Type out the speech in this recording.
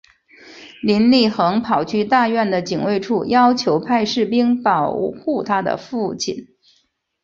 林立衡跑去大院的警卫处要求派士兵保护她的父亲。